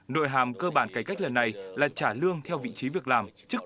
nội hàm cơ bản cải cách lần này là trả lương theo vị trí việc làm